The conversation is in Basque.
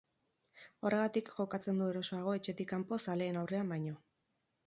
Horregatik jokatzen du erosoago etxetik kanpo zaleen aurrean baino.